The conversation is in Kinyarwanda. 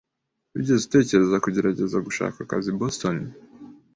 Wigeze utekereza kugerageza gushaka akazi i Boston?